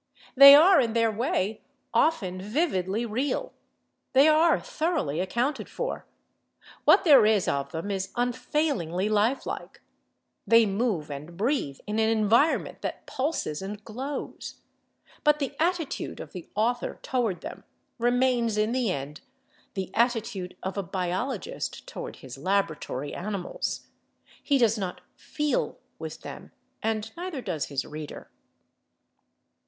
They are, in their way, often vividly real; they are thoroughly accounted for; what there is of them is unfailingly life like; they move and breathe in an environment that pulses and glows. But the attitude of the author toward them remains, in the end, the attitude of a biologist toward his laboratory animals. He does not feel with them—and neither does his reader.